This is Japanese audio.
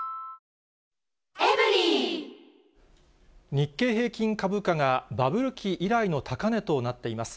日経平均株価が、バブル期以来の高値となっています。